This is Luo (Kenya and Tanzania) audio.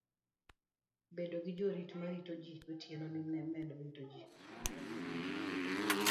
Bedo gi jorit ma rito ji gotieno ne medo rito ji